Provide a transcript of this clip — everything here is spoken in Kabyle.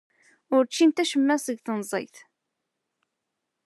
Ur ččint acemma seg tnezzayt.